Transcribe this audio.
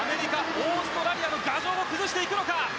オーストラリアの牙城を崩していくのか。